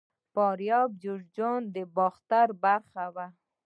فاریاب او جوزجان د باختر برخه وو